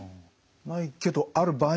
ないけどある場合もある？